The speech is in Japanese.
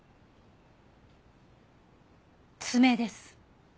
爪です。